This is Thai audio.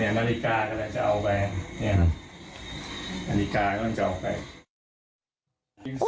นี่อาหารกาก้อนจะเอาไป